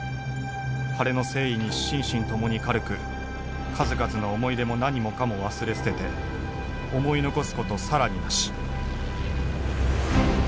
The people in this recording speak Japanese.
晴れの征衣に心身共に軽く数々の思い出も何もかも忘れ捨てて思い残すこと更になし」。